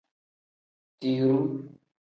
Tiruu.